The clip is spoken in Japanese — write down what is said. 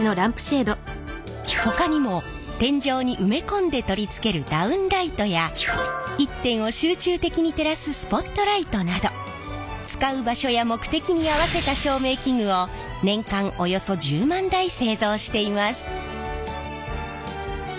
ほかにも天井に埋め込んで取り付けるダウンライトや一点を集中的に照らすスポットライトなど使う場所や目的に合わせた照明器具を年間およそ１０万台製造しています。